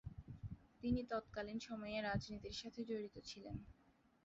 তিনি তৎকালীন সময়ে রাজনীতির সাথে জড়িত ছিলেন।